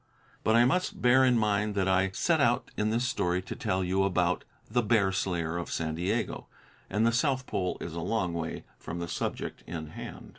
But I must bear in mind that I set out in this story to tell you about "The Bear Slayer of San Diego," and the South Pole is a long way from the subject in hand.